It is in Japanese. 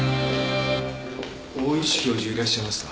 大石教授いらっしゃいますか？